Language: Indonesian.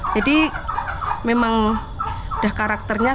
jadi memang sudah karakternya